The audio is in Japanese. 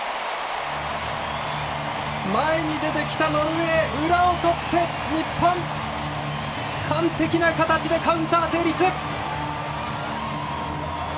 前に出てきたノルウェー裏をとって、日本完璧な形でカウンター成立！